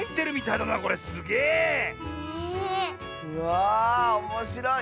うわあおもしろい。